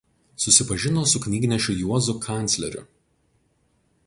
Susipažino su knygnešiu Juozu Kancleriu.